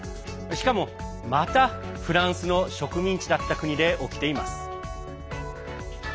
しかも、またフランスの植民地だった国で起きています。